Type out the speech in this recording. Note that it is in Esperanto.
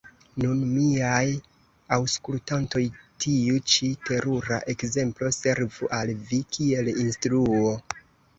Nun, miaj aŭskultantoj, tiu ĉi terura ekzemplo servu al vi kiel instruo!